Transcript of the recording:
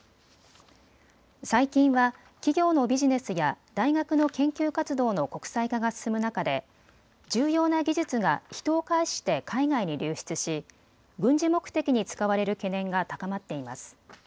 最近は企業のビジネスや大学の研究活動の国際化が進む中で重要な技術が人を介して海外に流出し軍事目的に使われる懸念が高まっています。